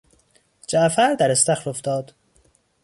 جعفر در استخر افتاد.